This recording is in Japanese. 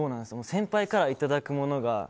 先輩からいただくものが。